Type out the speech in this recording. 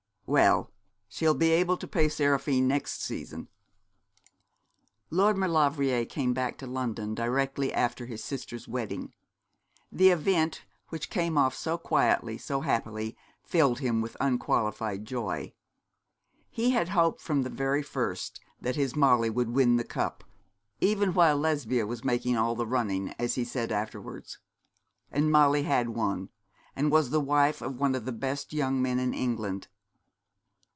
'Well, she'll be able to pay Seraphine next season.' Lord Maulevrier came back to London directly after his sister's wedding. The event, which came off so quietly, so happily, filled him with unqualified joy. He had hoped from the very first that his Molly would win the cup, even while Lesbia was making all the running, as he said afterwards. And Molly had won, and was the wife of one of the best young men in England.